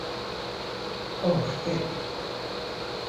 Oh fek'